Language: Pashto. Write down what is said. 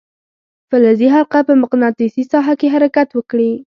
فلزي حلقه په مقناطیسي ساحه کې حرکت وکړي.